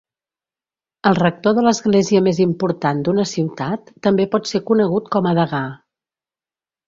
El rector de l'església més important d'una ciutat també pot ser conegut com a degà.